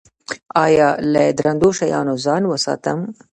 ایا له درندو شیانو ځان وساتم؟